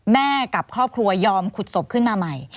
กับครอบครัวยอมขุดศพขึ้นมาใหม่